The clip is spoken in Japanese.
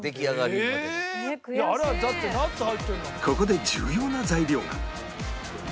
ここで重要な材料が